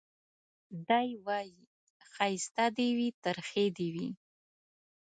دی وايي ښايستې دي وي ترخې دي وي